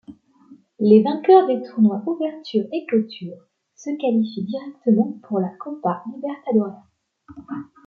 Les vainqueurs des tournois Ouverture et Clôture se qualifient directement pour la Copa Libertadores.